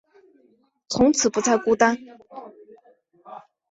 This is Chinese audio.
从此不再孤单